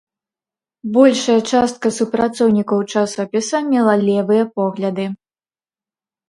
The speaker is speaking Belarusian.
Большая частка супрацоўнікаў часопіса мела левыя погляды.